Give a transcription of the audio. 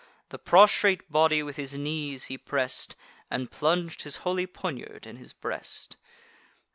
The prostrate body with his knees he press'd, And plung'd his holy poniard in his breast.